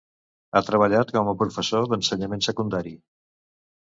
Ha treballat com a professor d'ensenyament secundari.